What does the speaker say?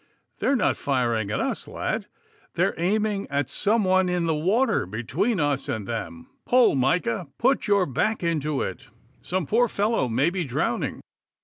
'They were not firing at us, lad. They were aiming at some one in the water between us and them. Pull, Micah! Put your back into it! Some poor fellow may he drowning.